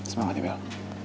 semangat ya bel